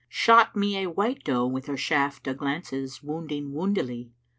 Shot me a white doe with her shaft * O' glances wounding woundily.